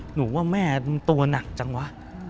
หนูว่าแม่ตัวหนักจังวะ